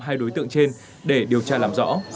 hai đối tượng trên để điều tra làm rõ